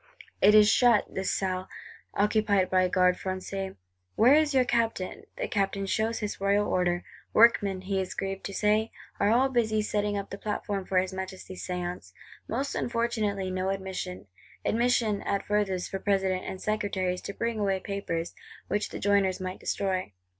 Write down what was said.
It is shut, this Salle; occupied by Gardes Françaises. 'Where is your Captain?' The Captain shows his royal order: workmen, he is grieved to say, are all busy setting up the platform for his Majesty's Séance; most unfortunately, no admission; admission, at furthest, for President and Secretaries to bring away papers, which the joiners might destroy!